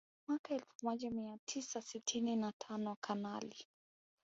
Mwaka elfu moja mia tisa sitini na tano Kanali